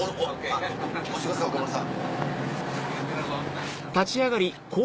押してください岡村さん。